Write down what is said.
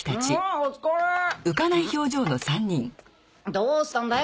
どうしたんだよ？